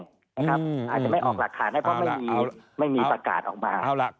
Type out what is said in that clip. อาจจะไม่ออกหลักฐานได้เพราะไม่มีประกาศออกมา